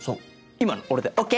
今の俺でＯＫ！